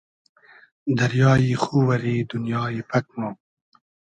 دئریای خو وئری دونیای پئگ مۉ